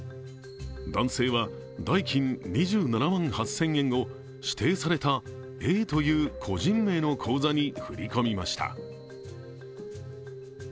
男性は、代金２７万８０００円を指定されたＡという個人名の口座に振り込みました。